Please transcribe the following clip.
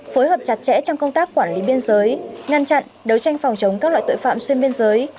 phối hợp chặt chẽ trong công tác quản lý biên giới ngăn chặn đấu tranh phòng chống các loại tội phạm xuyên biên giới